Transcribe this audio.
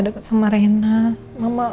dekat sama rena mama